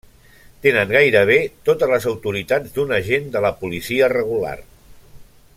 Tenen gairebé totes les autoritats d'un agent de la policia regular.